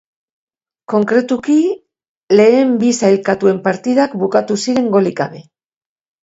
Konkretuki lehen bi sailkatuen partidak bukatu ziren golik gabe.